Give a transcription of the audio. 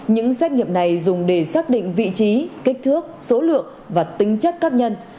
những xét nghiệm này dùng để xác định vị trí kích thước số lượng và tính chất tác nhân